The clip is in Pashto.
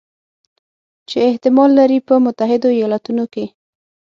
چې احتمال لري په متحدو ایالتونو کې